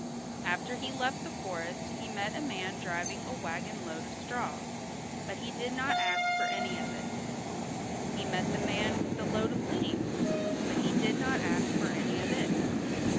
After he left the forest he met a man driving a wagon load of straw, but he did not ask for any of it. He met the man with the load of leaves, but he did not ask for any of it.